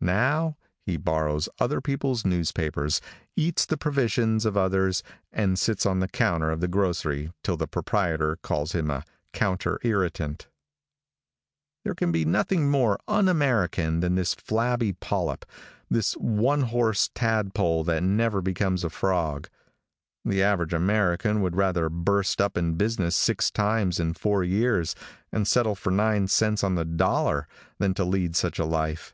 Now, he borrows other people's newspapers, eats the provisions of others, and sits on the counter of the grocery till the proprietor calls him a counter irritant. There can be nothing more un American than this flabby polyp, this one horse tadpole that never becomes a frog. The average American would rather burst up in business six times in four years, and settle for nine cents on the dollar, than to lead such a life.